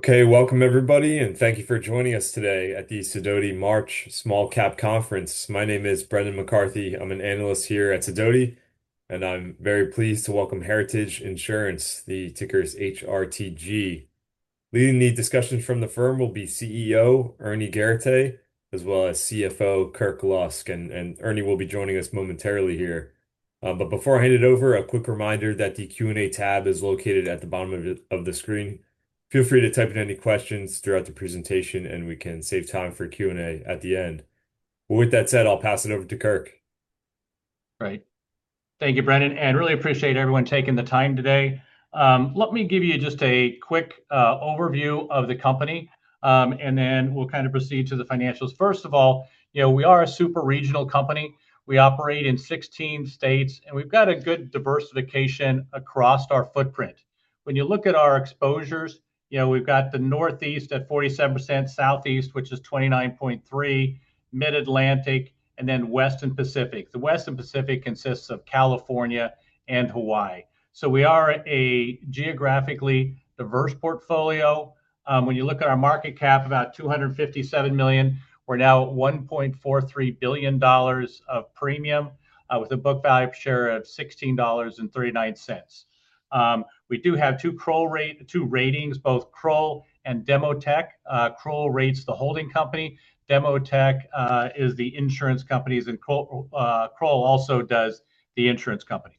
Okay. Welcome everybody, and thank you for joining us today at the Sidoti March Small Cap Conference. My name is Brendan McCarthy. I'm an analyst here at Sidoti, and I'm very pleased to welcome Heritage Insurance, the ticker is HRTG. Leading the discussion from the firm will be CEO Ernie Garateix, as well as CFO Kirk Lusk. Ernie will be joining us momentarily here. But before I hand it over, a quick reminder that the Q&A tab is located at the bottom of the screen. Feel free to type in any questions throughout the presentation, and we can save time for Q&A at the end. With that said, I'll pass it over to Kirk. Great. Thank you, Brendan, and really appreciate everyone taking the time today. Let me give you just a quick overview of the company, and then we'll kind of proceed to the financials. First of all, you know, we are a super regional company. We operate in 16 states, and we've got a good diversification across our footprint. When you look at our exposures, you know, we've got the Northeast at 47%, Southeast, which is 29.3%, Mid-Atlantic, and then Western Pacific. The Western Pacific consists of California and Hawaii. So we are a geographically diverse portfolio. When you look at our market cap, about $257 million, we're now at $1.43 billion of premium, with a book value per share of $16.39. We do have two Kroll rate... two ratings, both Kroll and Demotech. Kroll rates the holding company. Demotech is the insurance companies, and Kroll also does the insurance companies.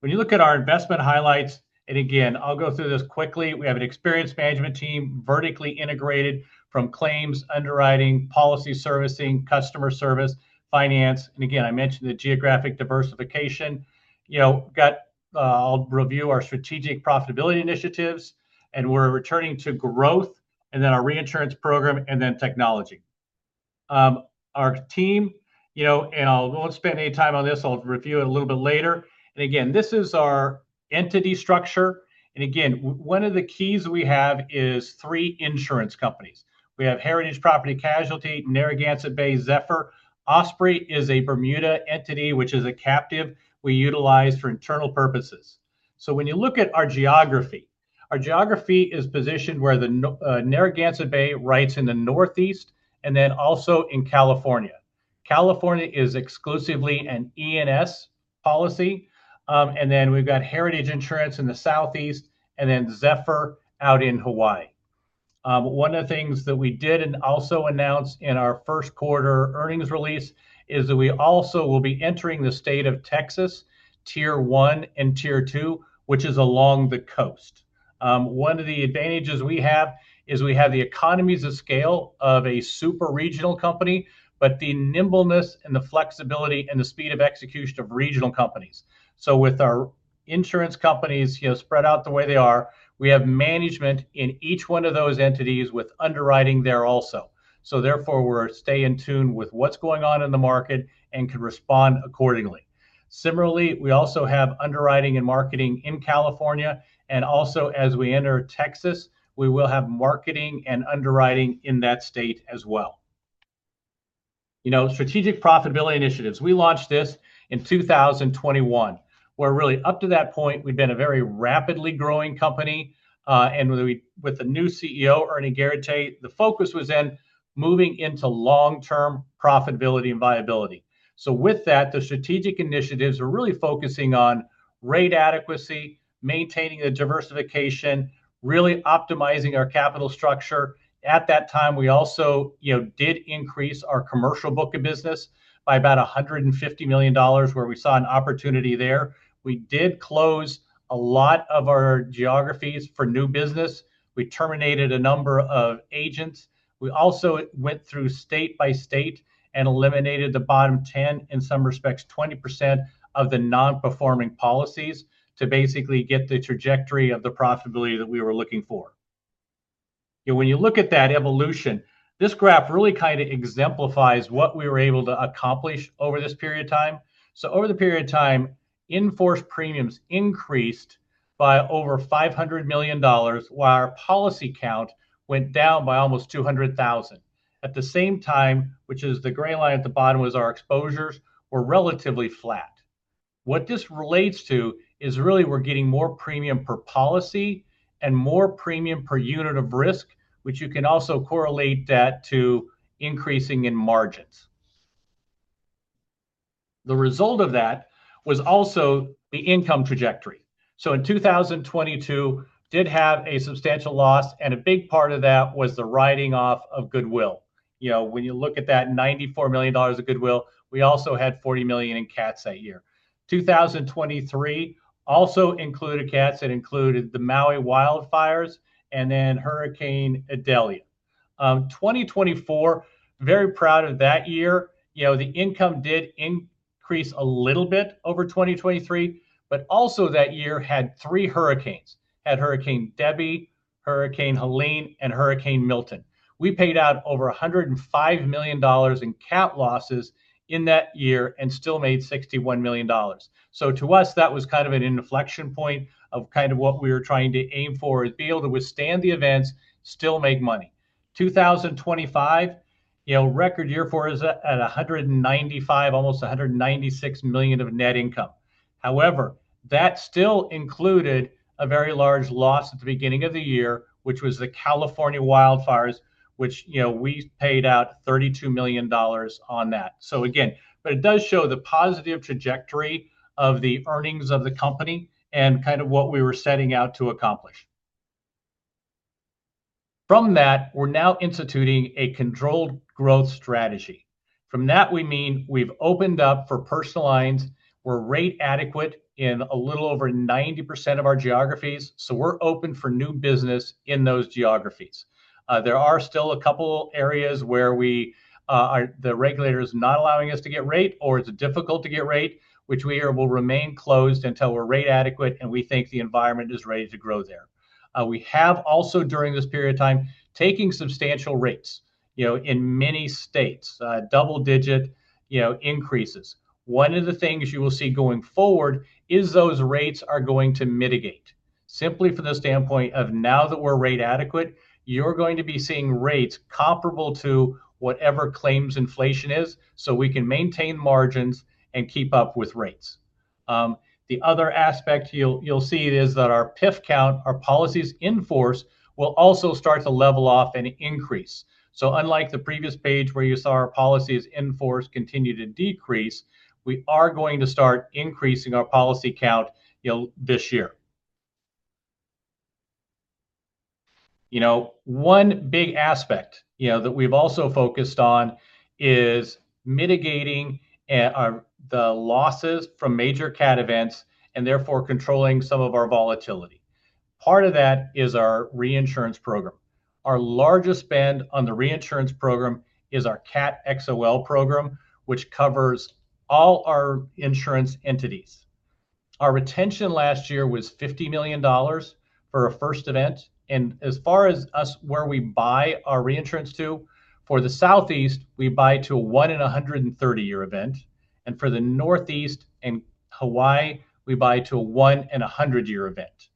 When you look at our investment highlights, and again, I'll go through this quickly, we have an experienced management team, vertically integrated from claims, underwriting, policy servicing, customer service, finance. I mentioned the geographic diversification. You know, I'll review our strategic profitability initiatives, and we're returning to growth, and then our reinsurance program, and then technology. Our team, you know, and I won't spend any time on this. I'll review it a little bit later. This is our entity structure. One of the keys we have is three insurance companies. We have Heritage Property & Casualty, Narragansett Bay, Zephyr. Osprey is a Bermuda entity, which is a captive we utilize for internal purposes. When you look at our geography, our geography is positioned where Narragansett Bay writes in the Northeast and then also in California. California is exclusively an E&S policy. We've got Heritage Insurance in the Southeast and then Zephyr out in Hawaii. One of the things that we did and also announced in our first quarter earnings release is that we also will be entering the state of Texas, Tier 1 and Tier 2, which is along the coast. One of the advantages we have is we have the economies of scale of a super regional company, but the nimbleness and the flexibility and the speed of execution of regional companies. With our insurance companies, you know, spread out the way they are, we have management in each one of those entities with underwriting there also. We're staying in tune with what's going on in the market and can respond accordingly. Similarly, we also have underwriting and marketing in California, and also as we enter Texas, we will have marketing and underwriting in that state as well. You know, strategic profitability initiatives. We launched this in 2021, where really up to that point, we'd been a very rapidly growing company, and with the new CEO, Ernie Garateix, the focus was in moving into long-term profitability and viability. With that, the strategic initiatives are really focusing on rate adequacy, maintaining the diversification, really optimizing our capital structure. At that time, we also, you know, did increase our commercial book of business by about $150 million, where we saw an opportunity there. We did close a lot of our geographies for new business. We terminated a number of agents. We also went through state by state and eliminated the bottom 10, in some respects, 20% of the non-performing policies to basically get the trajectory of the profitability that we were looking for. When you look at that evolution, this graph really kind of exemplifies what we were able to accomplish over this period of time. Over the period of time, in-force premiums increased by over $500 million, while our policy count went down by almost $200,000. At the same time, which is the gray line at the bottom was our exposures, were relatively flat. What this relates to is really we're getting more premium per policy and more premium per unit of risk, which you can also correlate that to increasing in margins. The result of that was also the income trajectory. In 2022, did have a substantial loss, and a big part of that was the writing off of goodwill. You know, when you look at that $94 million of goodwill, we also had $40 million in cats that year. 2023 also included cats that included the Maui wildfires and then Hurricane Idalia. 2024, very proud of that year. You know, the income did increase a little bit over 2023, but also that year had three hurricanes. Had Hurricane Debby, Hurricane Helene, and Hurricane Milton. We paid out over $105 million in cat losses in that year and still made $61 million. To us, that was kind of an inflection point of kind of what we were trying to aim for, is be able to withstand the events, still make money. 2025, you know, record year for us at $195 million, almost $196 million of net income. However, that still included a very large loss at the beginning of the year, which was the California wildfires, which, you know, we paid out $32 million on that. It does show the positive trajectory of the earnings of the company and kind of what we were setting out to accomplish. From that, we're now instituting a controlled growth strategy. From that we mean we've opened up for personal lines. We're rate adequate in a little over 90% of our geographies. We're open for new business in those geographies. There are still a couple areas where the regulator's not allowing us to get rate or it's difficult to get rate, which will remain closed until we're rate adequate and we think the environment is ready to grow there. We have also during this period of time, taking substantial rates, you know, in many states, double digit, you know, increases. One of the things you will see going forward is those rates are going to mitigate simply from the standpoint of now that we're rate adequate, you're going to be seeing rates comparable to whatever claims inflation is, so we can maintain margins and keep up with rates. The other aspect you'll see is that our PIF count, our policies in force will also start to level off and increase. Unlike the previous page where you saw our policies in force continue to decrease, we are going to start increasing our policy count, you know, this year. You know, one big aspect, you know, that we've also focused on is mitigating the losses from major cat events and therefore controlling some of our volatility. Part of that is our reinsurance program. Our largest spend on the reinsurance program is our Cat XOL program, which covers all our insurance entities. Our retention last year was $50 million for a first event, and as far as us where we buy our reinsurance to, for the Southeast, we buy to a 1 in a 130-year event, and for the Northeast and Hawaii, we buy to a 1 in a 100-year event.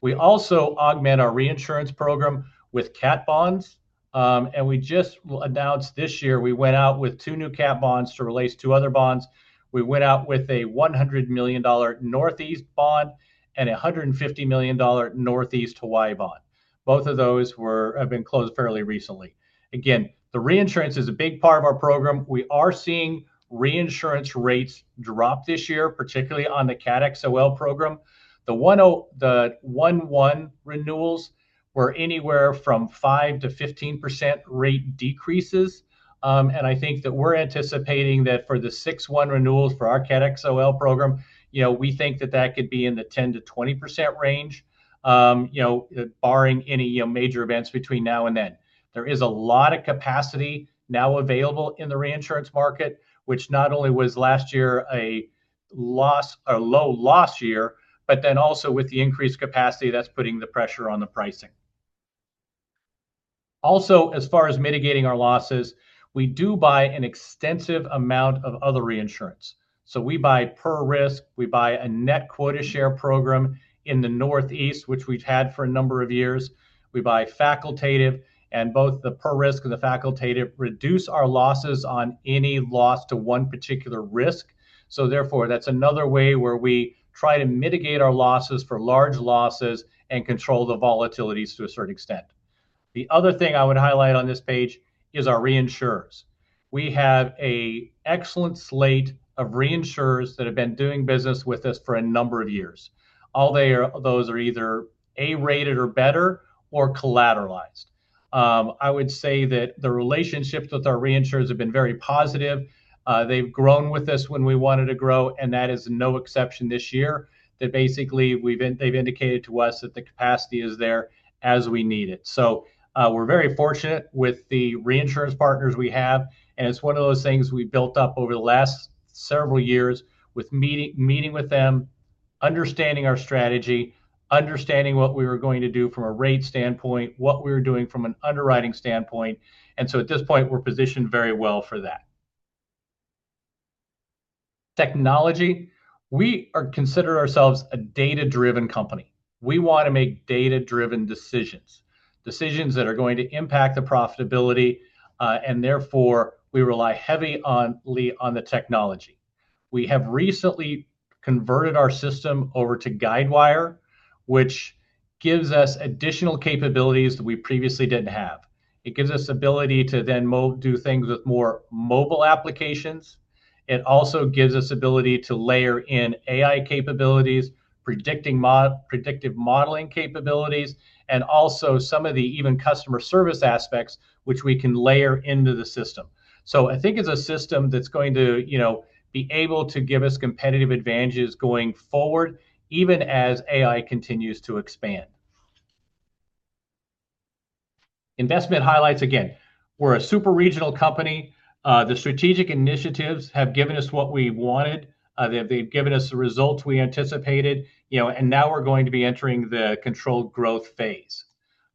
We also augment our reinsurance program with cat bonds, and we just announced this year we went out with two new cat bonds to replace two other bonds. We went out with a $100 million Northeast bond and a $150 million Northeast Hawaii bond. Both of those have been closed fairly recently. Again, the reinsurance is a big part of our program. We are seeing reinsurance rates drop this year, particularly on the Cat XOL program. The 1/1 renewals were anywhere from 5%-15% rate decreases. I think that we're anticipating that for the 6/1 renewals for our Cat XOL program, you know, we think that could be in the 10%-20% range, you know, barring any, you know, major events between now and then. There is a lot of capacity now available in the reinsurance market, which not only was last year a loss or low loss year, but then also with the increased capacity that's putting the pressure on the pricing. Also, as far as mitigating our losses, we do buy an extensive amount of other reinsurance. We buy per risk. We buy a net quota share program in the Northeast, which we've had for a number of years. We buy facultative, and both the per risk and the facultative reduce our losses on any loss to one particular risk. That's another way where we try to mitigate our losses for large losses and control the volatilities to a certain extent. The other thing I would highlight on this page is our reinsurers. We have an excellent slate of reinsurers that have been doing business with us for a number of years. Those are either A-rated or better or collateralized. I would say that the relationships with our reinsurers have been very positive. They've grown with us when we wanted to grow, and that is no exception this year, that basically they've indicated to us that the capacity is there as we need it. We're very fortunate with the reinsurance partners we have, and it's one of those things we built up over the last several years with meeting with them, understanding our strategy, understanding what we were going to do from a rate standpoint, what we were doing from an underwriting standpoint, and so at this point, we're positioned very well for that. Technology. We consider ourselves a data-driven company. We want to make data-driven decisions that are going to impact the profitability, and therefore we rely heavily on the technology. We have recently converted our system over to Guidewire, which gives us additional capabilities that we previously didn't have. It gives us ability to then do things with more mobile applications. It also gives us ability to layer in AI capabilities, predictive modeling capabilities, and also some of the even customer service aspects which we can layer into the system. I think it's a system that's going to, you know, be able to give us competitive advantages going forward, even as AI continues to expand. Investment highlights, again, we're a super-regional company. The strategic initiatives have given us what we wanted. They've given us the results we anticipated, you know, and now we're going to be entering the controlled growth phase.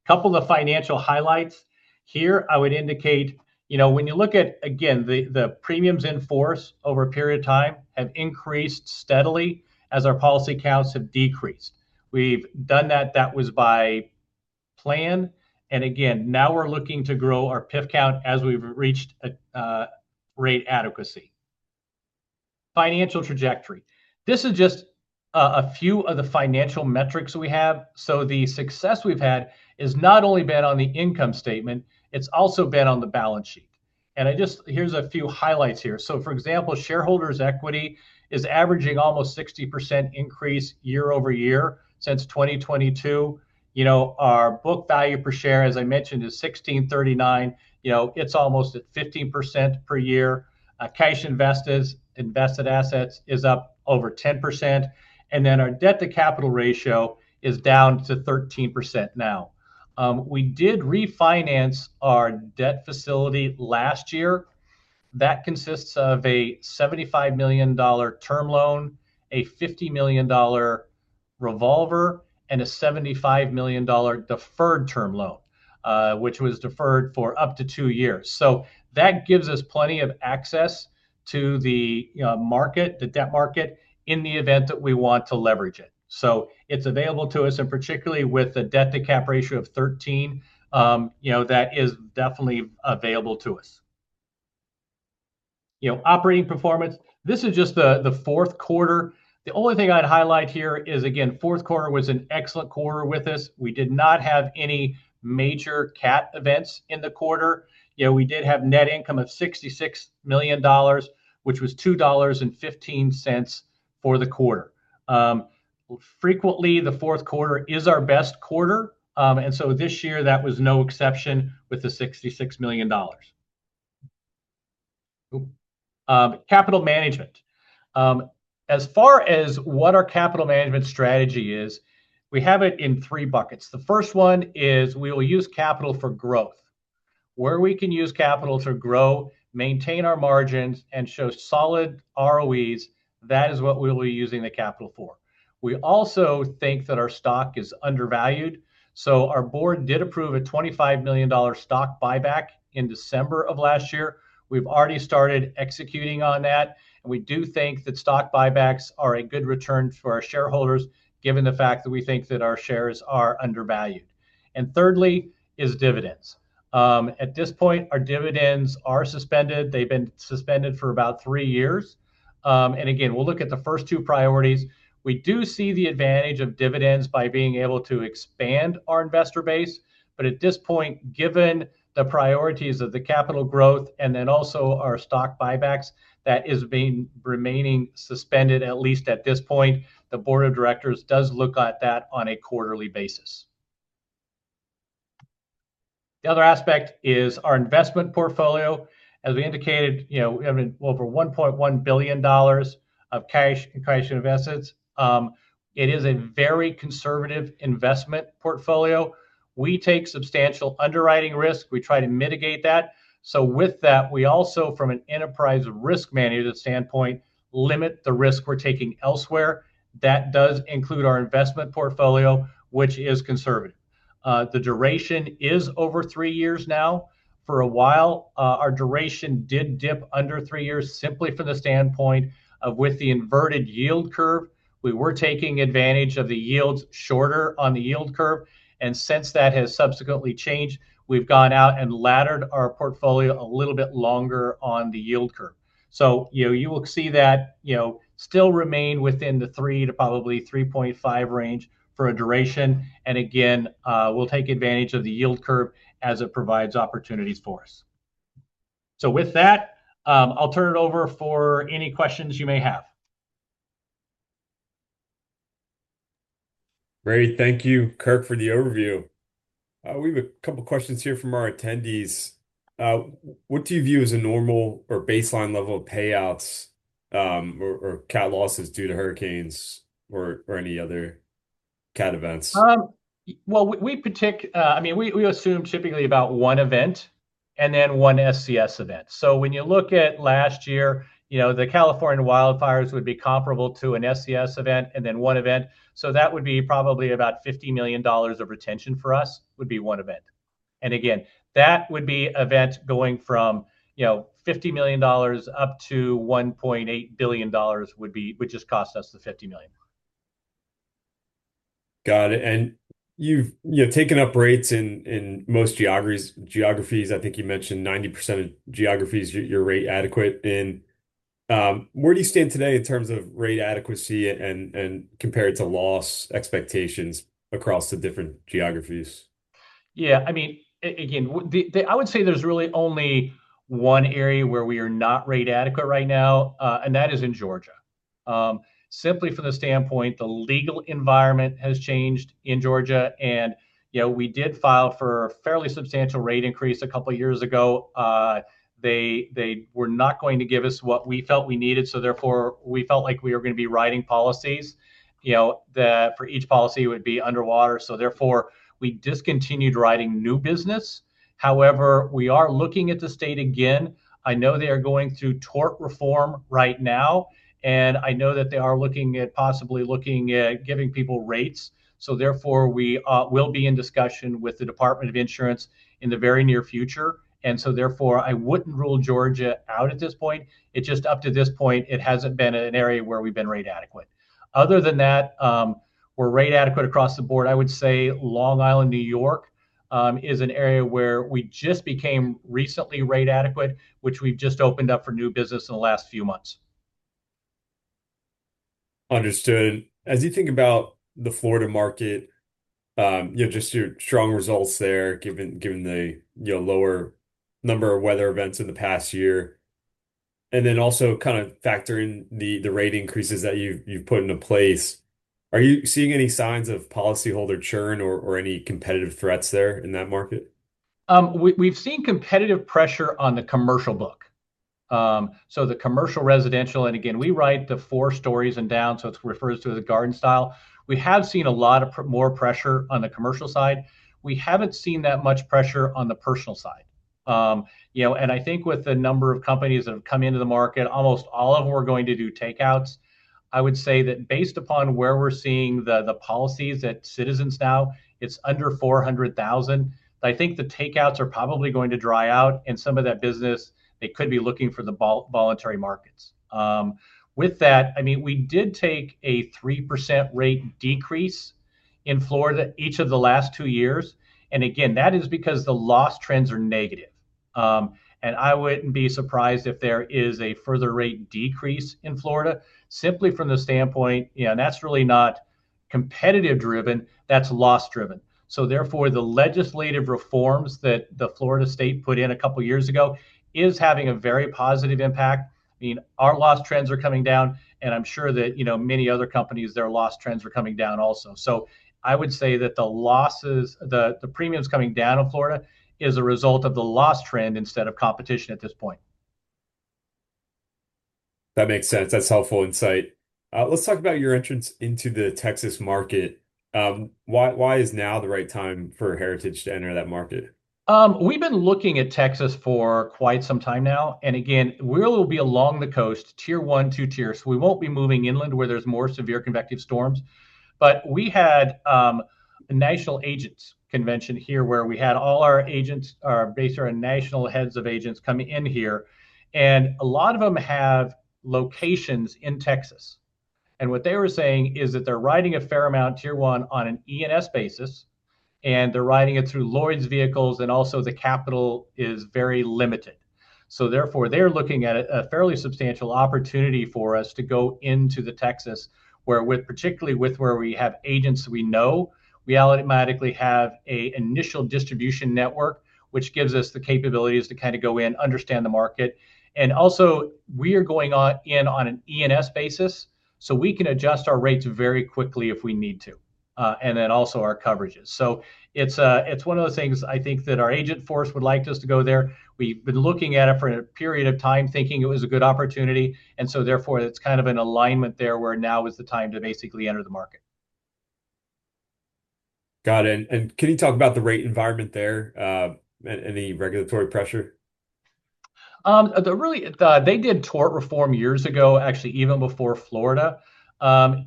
Couple of financial highlights here. I would indicate, you know, when you look at, again, the premiums in force over a period of time have increased steadily as our policy counts have decreased. We've done that. That was by plan. Again, now we're looking to grow our PIF count as we've reached a rate adequacy. Financial trajectory. This is just a few of the financial metrics we have. The success we've had has not only been on the income statement, it's also been on the balance sheet. I just here's a few highlights here. For example, shareholders' equity is averaging almost 60% increase year-over-year since 2022. You know, our book value per share, as I mentioned, is $16.39. You know, it's almost at 15% per year. Cash invested assets is up over 10%. Our debt-to-capital ratio is down to 13% now. We did refinance our debt facility last year. That consists of a $75 million term loan, a $50 million revolver, and a $75 million deferred term loan, which was deferred for up to two years. That gives us plenty of access to the, you know, market, the debt market, in the event that we want to leverage it. It's available to us, and particularly with a debt-to-cap ratio of 13, you know, that is definitely available to us. You know, operating performance. This is just the fourth quarter. The only thing I'd highlight here is, again, fourth quarter was an excellent quarter with us. We did not have any major CAT events in the quarter. You know, we did have net income of $66 million, which was $2.15 for the quarter. Frequently, the fourth quarter is our best quarter. This year, that was no exception with the $66 million. Capital management. As far as what our capital management strategy is, we have it in three buckets. The first one is we will use capital for growth. Where we can use capital to grow, maintain our margins, and show solid ROEs, that is what we'll be using the capital for. We also think that our stock is undervalued, so our board did approve a $25 million stock buyback in December of last year. We've already started executing on that, and we do think that stock buybacks are a good return for our shareholders, given the fact that we think that our shares are undervalued. Thirdly is dividends. At this point, our dividends are suspended. They've been suspended for about three years. Again, we'll look at the first two priorities. We do see the advantage of dividends by being able to expand our investor base. At this point, given the priorities of the capital growth and then also our stock buybacks, that is being remaining suspended, at least at this point. The board of directors does look at that on a quarterly basis. The other aspect is our investment portfolio. As we indicated, you know, we have over $1.1 billion of cash and cash and investments. It is a very conservative investment portfolio. We take substantial underwriting risk. We try to mitigate that. With that, we also, from an enterprise risk management standpoint, limit the risk we're taking elsewhere. That does include our investment portfolio, which is conservative. The duration is over three years now. For a while, our duration did dip under three years simply from the standpoint of with the inverted yield curve, we were taking advantage of the yields shorter on the yield curve. Since that has subsequently changed, we've gone out and laddered our portfolio a little bit longer on the yield curve. You know, you will see that, you know, still remain within the three to probably 3.5 range for a duration. Again, we'll take advantage of the yield curve as it provides opportunities for us. With that, I'll turn it over for any questions you may have. Great. Thank you, Kirk, for the overview. We have a couple questions here from our attendees. What do you view as a normal or baseline level of payouts, or CAT losses due to hurricanes or any other CAT events? We assume typically about one event and then one SCS event. So when you look at last year, you know, the California wildfires would be comparable to an SCS event and then one event. So that would be probably about $50 million of retention for us, would be one event. Again, that would be events going from, you know, $50 million up to $1.8 billion would just cost us the $50 million. Got it. You've, you know, taken up rates in most geographies. I think you mentioned 90% of geographies, you're rate adequate. Where do you stand today in terms of rate adequacy and compared to loss expectations across the different geographies? I would say there's really only one area where we are not rate adequate right now, and that is in Georgia. Simply from the standpoint, the legal environment has changed in Georgia and, you know, we did file for a fairly substantial rate increase a couple years ago. They were not going to give us what we felt we needed, so therefore, we felt like we were gonna be writing policies, you know, that for each policy would be underwater. We discontinued writing new business. However, we are looking at the state again. I know they are going through tort reform right now, and I know that they are looking at possibly looking at giving people rates. We will be in discussion with the Department of Insurance in the very near future. I wouldn't rule Georgia out at this point. It just up to this point, it hasn't been an area where we've been rate adequate. Other than that, we're rate adequate across the board. I would say Long Island, New York is an area where we just became recently rate adequate, which we've just opened up for new business in the last few months. Understood. As you think about the Florida market, you know, just your strong results there given the you know lower number of weather events in the past year, and then also kind of factor in the rate increases that you've put into place, are you seeing any signs of policyholder churn or any competitive threats there in that market? We've seen competitive pressure on the commercial book. So the commercial residential, and again, we write the four stories and down, so it's referred to as a garden style. We have seen a lot of more pressure on the commercial side. We haven't seen that much pressure on the personal side. You know, and I think with the number of companies that have come into the market, almost all of them are going to do takeouts. I would say that based upon where we're seeing the policies at Citizens now, it's under 400,000. I think the takeouts are probably going to dry out, and some of that business, they could be looking for the voluntary markets. With that, I mean, we did take a 3% rate decrease in Florida each of the last two years. Again, that is because the loss trends are negative. I wouldn't be surprised if there is a further rate decrease in Florida simply from the standpoint, you know, and that's really not competitive driven, that's loss driven. Therefore, the legislative reforms that the Florida state put in a couple of years ago is having a very positive impact. I mean, our loss trends are coming down, and I'm sure that, you know, many other companies, their loss trends are coming down also. I would say that the losses, the premiums coming down in Florida is a result of the loss trend instead of competition at this point. That makes sense. That's helpful insight. Let's talk about your entrance into the Texas market. Why is now the right time for Heritage to enter that market? We've been looking at Texas for quite some time now. Again, we'll be along the coast, Tier 1, ttiers. We won't be moving inland where there's more severe convective storms. We had a national agents convention here where we had all our agents, our base, our national heads of agents coming in here. A lot of them have locations in Texas. What they were saying is that they're riding a fair amount, Tier 1, on an E&S basis, and they're riding it through Lloyd's vehicles, and also the capital is very limited. Therefore, they're looking at a fairly substantial opportunity for us to go into Texas, particularly with where we have agents we know, we automatically have an initial distribution network, which gives us the capabilities to kind of go in, understand the market. We are going in on an E&S basis, so we can adjust our rates very quickly if we need to, and then also our coverages. It's one of those things I think that our agent force would like just to go there. We've been looking at it for a period of time thinking it was a good opportunity, and so therefore it's kind of an alignment there where now is the time to basically enter the market. Got it. Can you talk about the rate environment there, any regulatory pressure? They did tort reform years ago, actually even before Florida.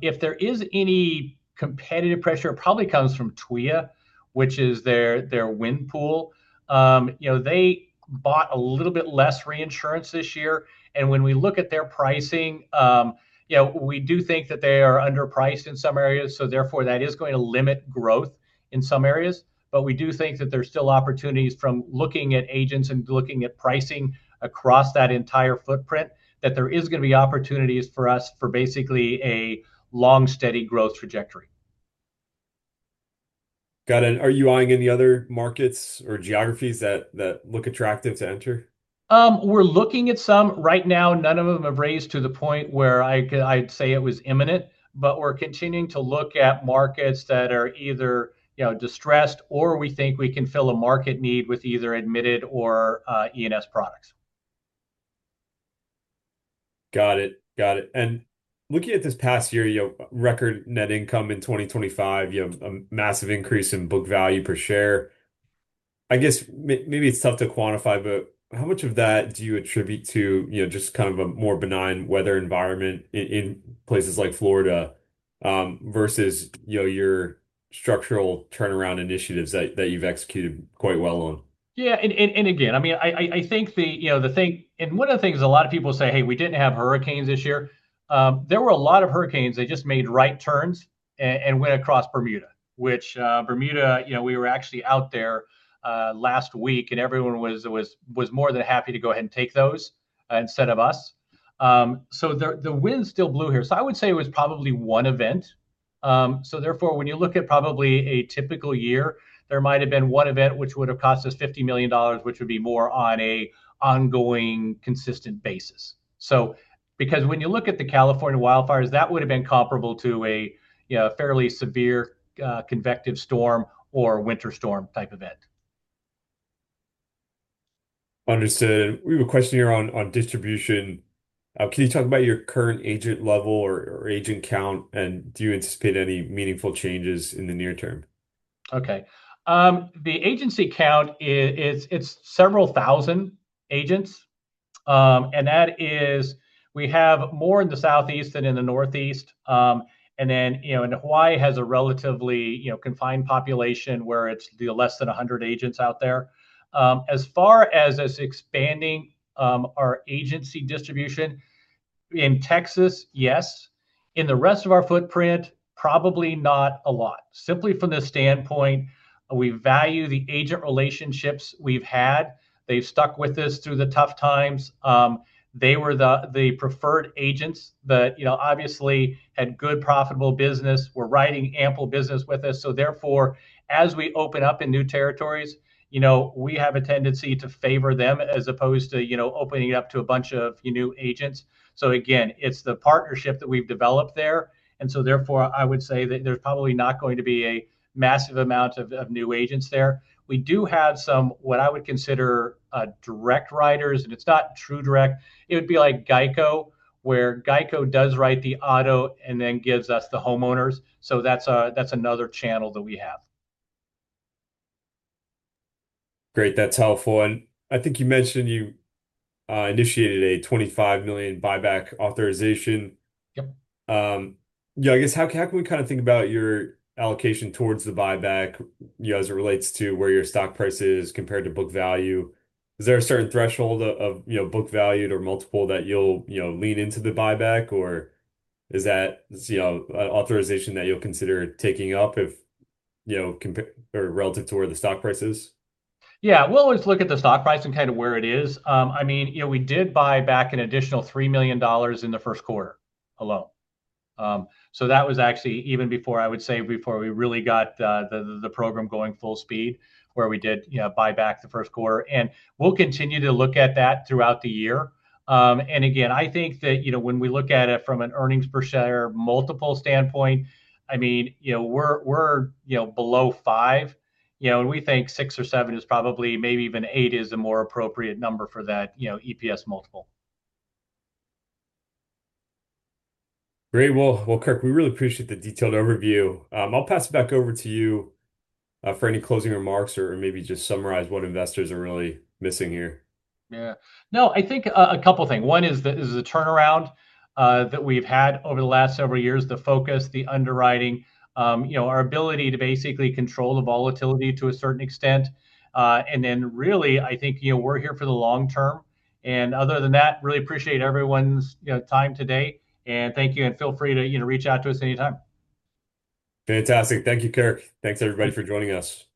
If there is any competitive pressure, it probably comes from TWIA, which is their wind pool. You know, they bought a little bit less reinsurance this year. When we look at their pricing, you know, we do think that they are underpriced in some areas, so therefore that is going to limit growth in some areas. We do think that there's still opportunities from looking at agents and looking at pricing across that entire footprint, that there is gonna be opportunities for us for basically a long, steady growth trajectory. Got it. Are you eyeing any other markets or geographies that look attractive to enter? We're looking at some. Right now, none of them have raised to the point where I could, I'd say it was imminent. We're continuing to look at markets that are either, you know, distressed or we think we can fill a market need with either admitted or E&S products. Got it. Looking at this past year, you know, record net income in 2025, you have a massive increase in book value per share. I guess maybe it's tough to quantify, but how much of that do you attribute to, you know, just kind of a more benign weather environment in places like Florida, versus, you know, your structural turnaround initiatives that you've executed quite well on? Yeah. Again, I mean, I think you know, the thing. One of the things a lot of people say, "Hey, we didn't have hurricanes this year." There were a lot of hurricanes. They just made right turns and went across Bermuda, which, Bermuda, you know, we were actually out there last week, and everyone was more than happy to go ahead and take those instead of us. The wind still blew here. I would say it was probably one event. Therefore, when you look at probably a typical year, there might have been one event which would have cost us $50 million, which would be more on an ongoing, consistent basis. Because when you look at the California wildfires, that would have been comparable to a, you know, a fairly severe convective storm or winter storm type event. Understood. We have a question here on distribution. Can you talk about your current agent level or agent count, and do you anticipate any meaningful changes in the near term? The agency count is several thousand agents. We have more in the Southeast than in the Northeast. You know, Hawaii has a relatively confined population where it's less than 100 agents out there. As far as us expanding our agency distribution in Texas, yes. In the rest of our footprint, probably not a lot. Simply from the standpoint, we value the agent relationships we've had. They've stuck with us through the tough times. They were the preferred agents that, you know, obviously had good profitable business, were writing ample business with us. Therefore, as we open up in new territories, you know, we have a tendency to favor them as opposed to, you know, opening it up to a bunch of new agents. Again, it's the partnership that we've developed there, and so therefore, I would say that there's probably not going to be a massive amount of new agents there. We do have some, what I would consider, direct writers, and it's not true direct. It would be like GEICO, where GEICO does write the auto and then gives us the homeowners. That's another channel that we have. Great. That's helpful. I think you mentioned you initiated a $25 million buyback authorization. Yep. How can we kinda think about your allocation towards the buyback, you know, as it relates to where your stock price is compared to book value? Is there a certain threshold of, you know, book value or multiple that you'll, you know, lean into the buyback? Is that, you know, authorization that you'll consider taking up if, you know, or relative to where the stock price is? Yeah. We'll always look at the stock price and kinda where it is. I mean, you know, we did buy back an additional $3 million in the first quarter alone. That was actually even before, I would say, before we really got the program going full speed, where we did, you know, buy back the first quarter. We'll continue to look at that throughout the year. Again, I think that, you know, when we look at it from an earnings per share multiple standpoint, I mean, you know, we're below 5, you know, and we think 6 or 7 is probably, maybe even 8 is a more appropriate number for that, you know, EPS multiple. Great. Well, Kirk, we really appreciate the detailed overview. I'll pass it back over to you, for any closing remarks or maybe just summarize what investors are really missing here. Yeah. No, I think a couple things. One is the turnaround that we've had over the last several years, the focus, the underwriting, you know, our ability to basically control the volatility to a certain extent. And then really, I think, you know, we're here for the long term. Other than that, really appreciate everyone's, you know, time today, and thank you, and feel free to, you know, reach out to us any time. Fantastic. Thank you, Kirk. Thanks, everybody, for joining us.